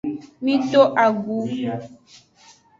Mi to agu.